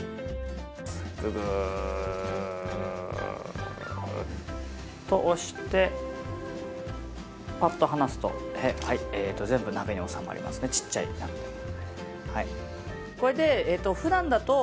グーッと押してパッと離すと全部鍋に収まりますちっちゃい鍋でも。